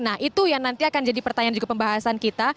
nah itu yang nanti akan jadi pertanyaan juga pembahasan kita